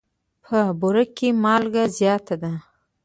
په بوړ کي مالګه زیاته ده.